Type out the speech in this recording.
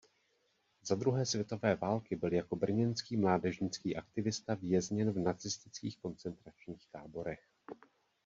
Za druhé světové války byl jako brněnský mládežnický aktivista vězněn v nacistických koncentračních táborech.